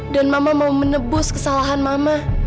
dan mama mau menebus kesalahan mama